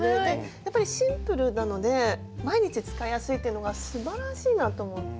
やっぱりシンプルなので毎日使いやすいっていうのがすばらしいなと思って。